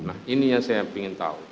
nah ini yang saya ingin tahu